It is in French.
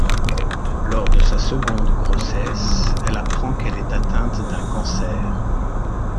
Lors de sa seconde grossesse, elle apprend qu'elle est atteinte d'un cancer.